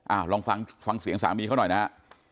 ลองฟังฟังเสียงสามีเขาหน่อยนะฮะ